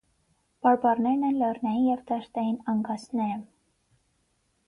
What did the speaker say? Բարբառներն են լեռնային և դաշտային անգասները։